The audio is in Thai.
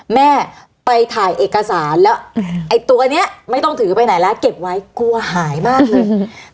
แม่ไปถ่ายเอกสารแล้วไอ้ตัวนี้ไม่ต้องถือไปไหนแล้วเก็บไว้กลัวหายมากเลย